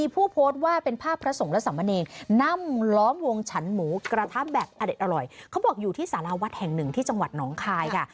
แบบอเด็ดอร่อยเขาบอกอยู่ที่ศาลาวัดแห่งหนึ่งที่จังหวัดน้องคายค่ะ